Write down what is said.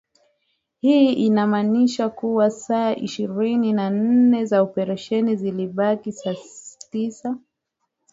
Hii ilimaanisha katika saa ishirini na nne za operesheni zilibaki saa tisa